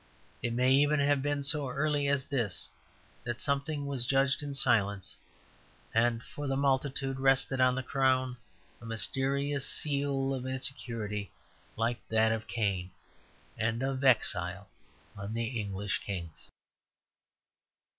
It may even have been so early as this that something was judged in silence; and for the multitude rested on the Crown a mysterious seal of insecurity like that of Cain, and of exile on the English kings.